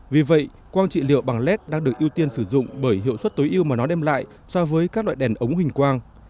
vì vậy quang trị liệu bằng led đang được ưu tiên sử dụng bởi hiệu suất tối yêu mà nó đem lại so với các loại đèn ống hình quang